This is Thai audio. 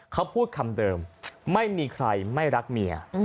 เขาพูดคำเดิมไม่มีใครไม่รักเมีย